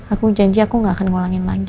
aku janji aku gak akan ngulangin lagi